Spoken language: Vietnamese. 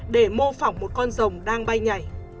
để mô phỏng một con rồng đang bay nhảy